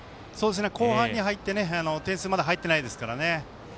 後半に入って点数、まだ入ってないですからね。